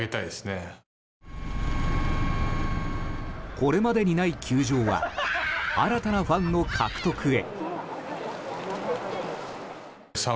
これまでにない球場は新たなファンの獲得へ。